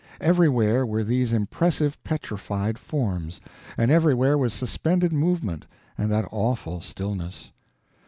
Everywhere were these impressive petrified forms; and everywhere was suspended movement and that awful stillness.